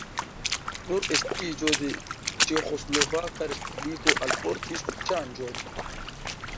Nur estiĝo de Ĉeĥoslovaka respubliko alportis ŝanĝon.